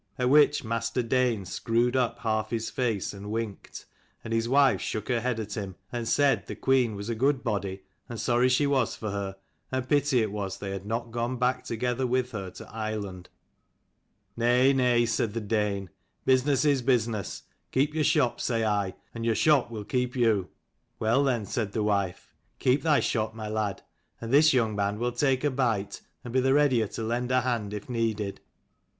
At which Master Dane screwed up half his face and winked, and his wife shook her head at him, and said the queen was a good body, and sorry she was for her, and pity it was they had not gone back together with her to Ireland. "Nay, nay," said the Dane: "business is business. Keep your shop, say I, and your shop will keep you." " Well then," said the wife, " keep thy shop, my lad, and this young man will take a bite, and be the readier to lend a hand if needed."